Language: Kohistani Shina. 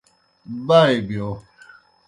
بائے بِیو۔